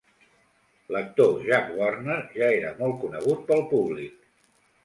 L'actor Jack Warner ja era molt conegut pel públic.